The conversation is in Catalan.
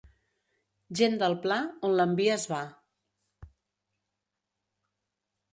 Gent del pla, on l'envies va.